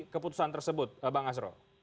keputusan tersebut bang asro